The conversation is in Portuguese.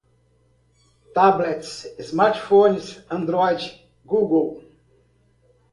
tablets, smartphones, android, google